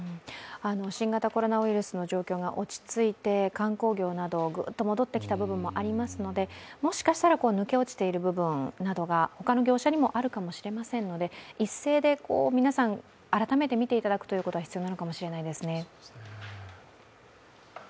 新型コロナウイルスの状況が落ち着いて観光業など、ぐっと戻ってきた部分もありますので、もしかしたら抜け落ちている部分などが他の業種にもあるかもしれませんので一斉で皆さん、改めて見ていただくことが必要なのかもしれないですね。